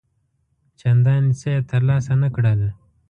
چنداني څه یې تر لاسه نه کړل.